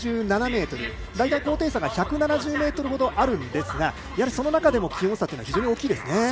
大体、高低差が１７０ｍほどありますがその中でも気温差が非常に大きいですね。